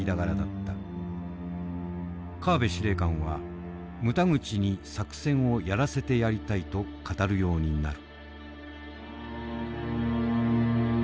河辺司令官は「牟田口に作戦をやらせてやりたい」と語るようになる。